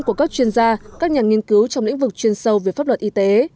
của các chuyên gia các nhà nghiên cứu trong lĩnh vực chuyên sâu về pháp luật y tế